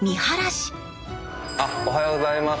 おはようございます。